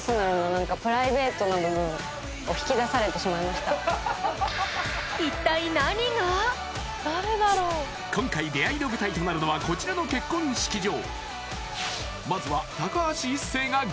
そして今回出会いの舞台となるのはこちらの結婚式場